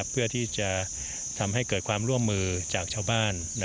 เพื่อที่จะทำให้เกิดความร่วมมือจากชาวบ้าน